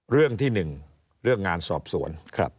เรื่องที่๑เรื่องงานสอบสวน